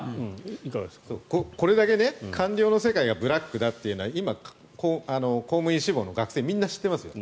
これだけ、官僚の世界がブラックだというのは今、公務員志望の学生みんな知ってますよ。